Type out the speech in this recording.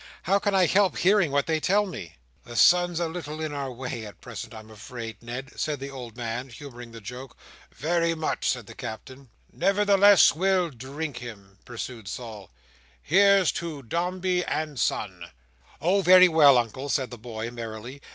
"How can I help hearing what they tell me?" "The son's a little in our way at present, I'm afraid, Ned," said the old man, humouring the joke. "Very much," said the Captain. "Nevertheless, we'll drink him," pursued Sol. "So, here's to Dombey and Son." "Oh, very well, Uncle," said the boy, merrily.